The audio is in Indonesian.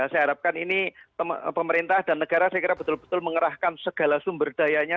saya harapkan ini pemerintah dan negara saya kira betul betul mengerahkan segala sumber dayanya